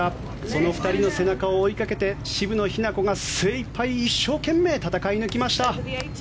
その２人の背中を追いかけて渋野日向子が精いっぱい、一生懸命戦い抜きました。